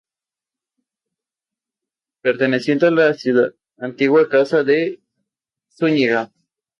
Vuelve a pulsar pausa, para continuar con la música y regresa al baño.